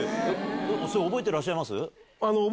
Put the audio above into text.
それ覚えてらっしゃいます？